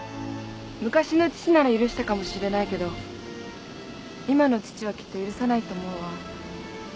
昔の父なら許したかもしれないけど今の父はきっと許さないと思うわ。